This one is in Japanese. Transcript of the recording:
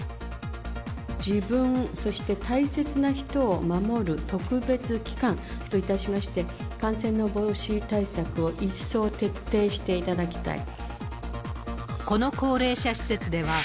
自分、そして大切な人を守る特別期間といたしまして、感染の防止対策を一層徹底していただきたい。